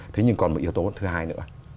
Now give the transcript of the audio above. thế nhưng còn một yếu tố thứ hai nữa